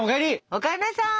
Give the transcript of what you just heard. お帰んなさい！